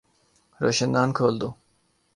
روشن دان کھول دو